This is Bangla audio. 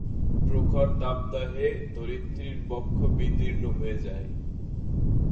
প্রখর তাপদাহে ধরিত্রীর বক্ষ বিদীর্ণ হয়ে যায়।